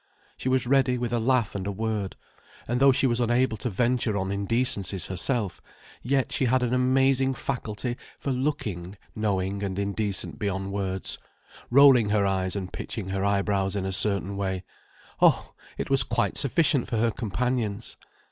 She was ready with a laugh and a word, and though she was unable to venture on indecencies herself, yet she had an amazing faculty for looking knowing and indecent beyond words, rolling her eyes and pitching her eyebrows in a certain way—oh, it was quite sufficient for her companions!